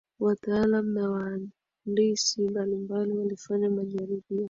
wataalamu na wahandisi mbalimbali walifanya majaribio